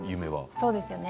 そうですよね。